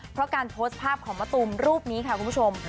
เพราะการโพสต์ภาพของมะตูมรูปนี้ค่ะคุณผู้ชม